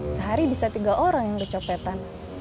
sehari bisa tiga orang yang dicopetan